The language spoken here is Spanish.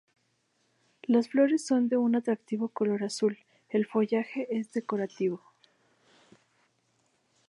Las flores son de un atractivo color azul, el follaje es decorativo.